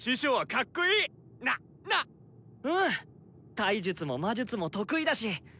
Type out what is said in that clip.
体術も魔術も得意だし！